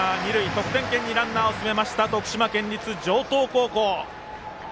得点圏にランナーを進めました徳島県立城東高校。